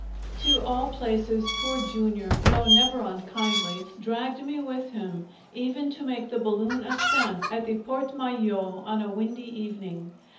To all places, Poor Jr., though never unkindly, dragged me with him, even to make the balloon ascent at the Porte Maillot on a windy evening.